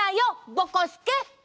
ぼこすけ。